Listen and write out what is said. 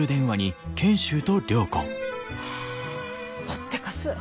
ぽってかす。